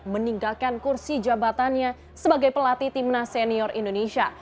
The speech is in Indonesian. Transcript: meninggalkan kursi jabatannya sebagai pelatih tim nas senior indonesia